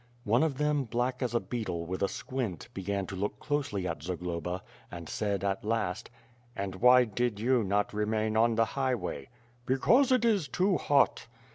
One of them, black as a beetle, with a squint, began to look closely at Zagloba and said, at last: "And why did you not remain on the highway?" "Because it is too hot."